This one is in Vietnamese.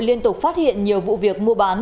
liên tục phát hiện nhiều vụ việc mua bán